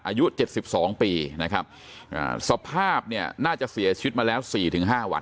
อายุเจ็ดสิบสองปีนะครับอ่าสภาพเนี่ยน่าจะเสียชีวิตมาแล้วสี่ถึงห้าวัน